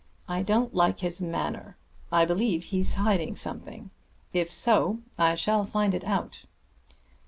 I don't like his manner; I believe he's hiding something. If so, I shall find it out."